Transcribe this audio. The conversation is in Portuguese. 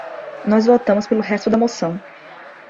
Nós votamos pelo resto da moção.